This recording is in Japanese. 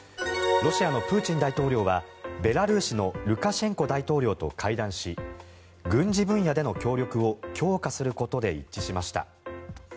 ロシアのプーチン大統領はベラルーシのルカシェンコ大統領と会談し軍事分野での協力を強化することで一致しました。